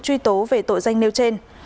truy tố về tội danh nêu trên